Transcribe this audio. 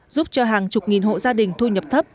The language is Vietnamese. giúp cho hàng chục nghìn hộ gia đình thu nhập thấp